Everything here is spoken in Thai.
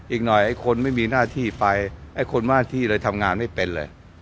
อีกหน่อยไอ้คนไม่มีหน้าที่ไปไอ้คนหน้าที่เลยทำงานไม่เป็นเลย